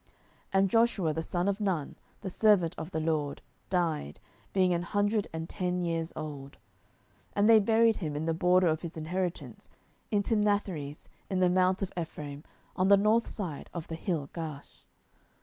07:002:008 And Joshua the son of Nun, the servant of the LORD, died, being an hundred and ten years old. 07:002:009 And they buried him in the border of his inheritance in Timnathheres, in the mount of Ephraim, on the north side of the hill Gaash.